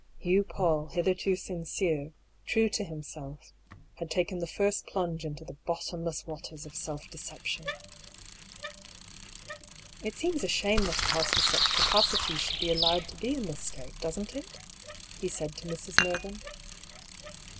Hugh Paull, hitherto sincere, true to himself, had taken the first plunge into the bot tomless waters of self deception !)" It seems a shame that a house with such capacities should be allowed to be in this state, doesn't it ?" he said to Mrs. Mervyn.